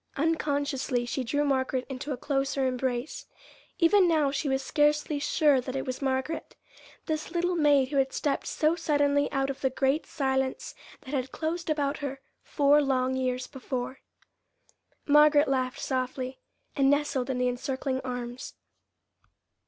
Unconsciously she drew Margaret into a closer embrace. Even now she was scarcely sure that it was Margaret this little maid who had stepped so suddenly out of the great silence that had closed about her four long years before. Margaret laughed softly, and nestled in the encircling arms.